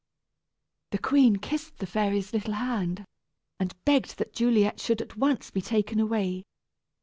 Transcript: The queen kissed the fairy's little hand, and begged that Juliet should at once be taken away.